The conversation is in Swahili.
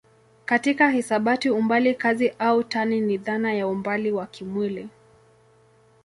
Katika hisabati umbali kazi au tani ni dhana ya umbali wa kimwili.